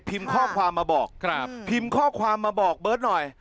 พิมพ์ข้อความมาบอกเบิร์ตหน่อย